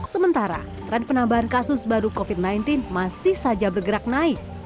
sementara tren penambahan kasus baru covid sembilan belas masih saja bergerak naik